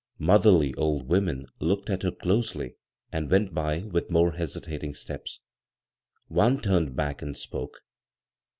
Motherly old women looked at her dosety and went by with more hesitating steps. One turned back and spoke.